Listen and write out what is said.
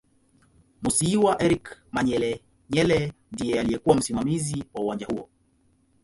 Musiiwa Eric Manyelenyele ndiye aliyekuw msimamizi wa uwanja huo